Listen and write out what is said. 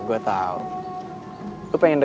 sulaq berhubunghhh weather ganya